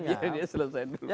ya dia selesain dulu